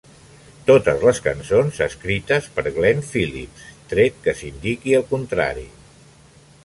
Totes les cançons escrites per Glen Phillips, tret que s'indiqui el contrari.